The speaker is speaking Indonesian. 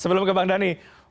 sebelum ke bang dhani